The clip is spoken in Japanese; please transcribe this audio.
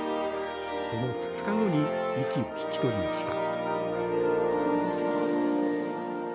その２日後に息を引き取りました。